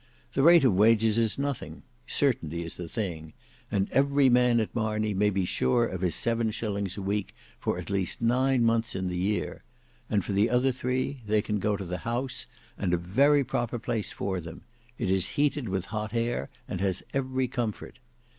The rate of wages is nothing: certainty is the thing; and every man at Marney may be sure of his seven shillings a week for at least nine months in the year; and for the other three, they can go to the House, and a very proper place for them; it is heated with hot air, and has every comfort.